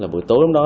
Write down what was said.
bữa tối hôm đó